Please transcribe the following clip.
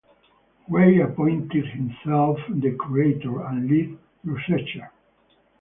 Gray appointed himself the curator and lead researcher.